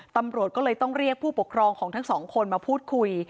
ตำรวจก็เลยต้องเรียกผู้ปกครองของทั้งสองคนมาพูดคุย